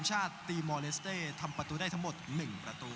สุดท้ายสุดท้ายสุดท้าย